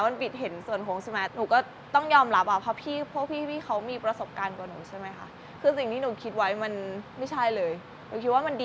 มันบิดเห็นส่วนคงใช่ไหม